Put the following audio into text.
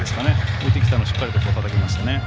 浮いてきたのを、しっかりとたたきましたね。